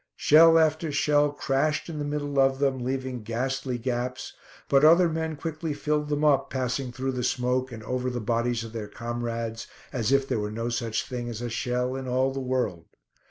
Shell after shell crashed in the middle of them, leaving ghastly gaps, but other men quickly filled them up, passing through the smoke, and over the bodies of their comrades, as if there were no such thing as a shell in all the world.